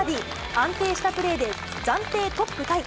安定したプレーで、暫定トップタイ。